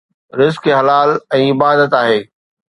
رزق حلال ۽ عبادت آهي